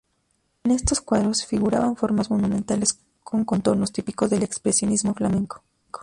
En estos cuadros figuraban formas monumentales con contornos típicos del expresionismo flamenco.